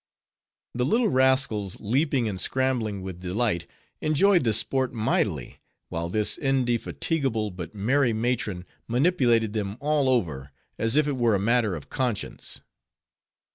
The little rascals, leaping and scrambling with delight, enjoyed the sport mightily; while this indefatigable, but merry matron, manipulated them all over, as if it were a matter of conscience.